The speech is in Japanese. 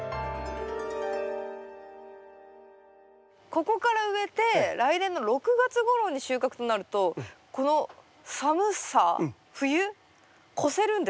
ここから植えて来年の６月ごろに収穫となるとこの寒さ冬越せるんですか？